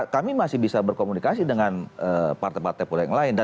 kami masih bisa berkomunikasi dengan partai partai politik yang lain